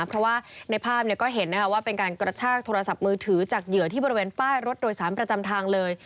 เพราะว่าในภาพก็เห็นว่าเป็นการกระชากโทรศัพท์มือถือจากเหยื่อที่บริเวณป้ายรถโดยสารประจำทางเลย